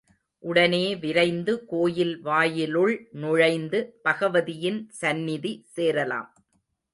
உடனே விரைந்து கோயில் வாயிலுள் நுழைந்து, பகவதியின் சந்நிதி சேரலாம்.